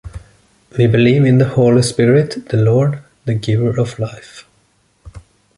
We believe in the Holy Spirit, the Lord, the giver of life